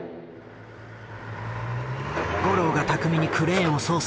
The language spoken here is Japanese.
五郎が巧みにクレーンを操作。